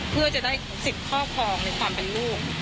เพื่อจะได้สิทธิ์ครอบครองในความเป็นลูก